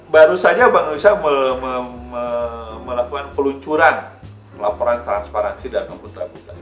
baru saja bank indonesia melakukan peluncuran laporan transparansi dan angkutan putra